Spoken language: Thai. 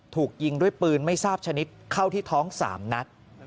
ถูกยิงด้วยปืนไม่ทราบชนิดเข้าที่ท้อง๓นัด